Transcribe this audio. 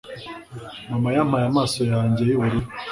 mama yampaye amaso yanjye yubururu